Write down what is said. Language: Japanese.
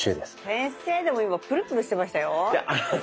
先生でも今プルプルしてましたよ。